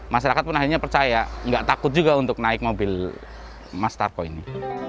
masyarakat pun akhirnya percaya nggak takut juga untuk naik mobil mas tarko ini